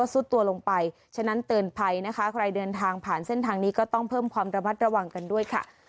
เส้นทางนี้ก็ต้องเพิ่มความระบัดระหว่างกันด้วยค่ะ